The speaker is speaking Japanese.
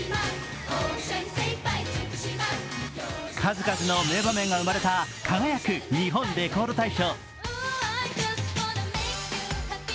数々の名場面が生まれた「輝く！日本レコード大賞」。